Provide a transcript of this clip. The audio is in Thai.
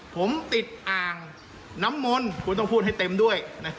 ผมติดอ่างน้ำมนต์คุณต้องพูดให้เต็มด้วย